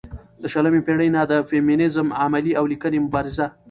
له شلمې پېړۍ نه د فيمينزم عملي او ليکنۍ مبارزه